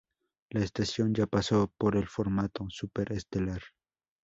La estación ya pasó por el formato Súper Estelar.